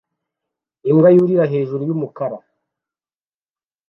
Imbwa yurira hejuru yumukara